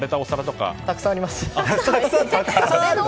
たくさんあります。